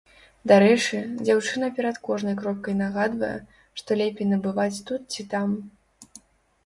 Дарэчы, дзяўчына перад кожнай кропкай нагадвае, што лепей набываць тут ці там.